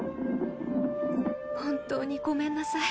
本当にごめんなさい。